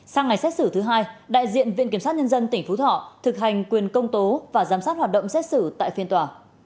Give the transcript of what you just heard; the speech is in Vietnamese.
sang ngày xét xử thứ hai đại diện viện kiểm sát nhân dân tỉnh phú thọ thực hành quyền công tố và giám sát hoạt động xét xử tại phiên tòa